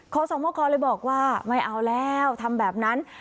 ขอสมคอเลยบอกว่าไม่เอาแล้วทำแบบนั้น